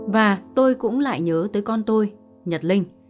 và tôi cũng lại nhớ tới con tôi nhật linh